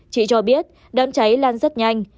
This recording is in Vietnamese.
chị cho biết đám cháy lan rất nhanh